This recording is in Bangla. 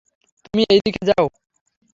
তুমি এই দিকে যাও।